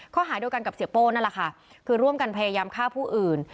ข้อหาเดียวกันกับเสียโป้นั่นแหละค่ะคือร่วมกันพยายามฆ่าผู้อื่น